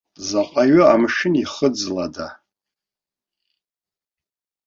Заҟаҩы амшын ихыӡлада?